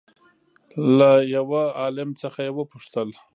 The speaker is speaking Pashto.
له له يوه عالم څخه يې وپوښتل